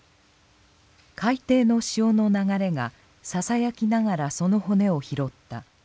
「海底の潮の流れがささやきながらその骨を拾った。